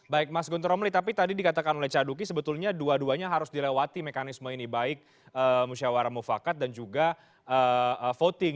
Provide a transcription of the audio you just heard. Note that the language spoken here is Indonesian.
baik mas gunter romli tapi tadi dikatakan oleh caduki sebetulnya dua duanya harus dilewati mekanisme ini baik musyawarah mufakat dan juga voting